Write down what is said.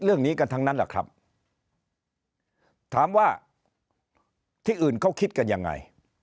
เรื่องนี้กันทั้งนั้นแหละครับถามว่าที่อื่นเขาคิดกันยังไง